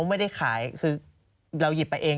ไม่ได้ขายคือเราหยิบไปเอง